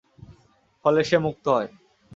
ফলে সে মুক্ত হয়।